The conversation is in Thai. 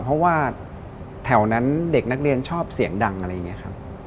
เพราะว่าแถวนั้นเด็กนักเรียนชอบเสียงดังอะไรอย่างนี้ครับ